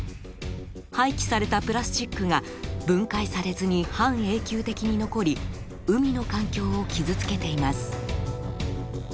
廃棄されたプラスチックが分解されずに半永久的に残り海の環境を傷つけています。